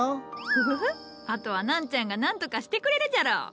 ふふふあとはナンちゃんがなんとかしてくれるじゃろう。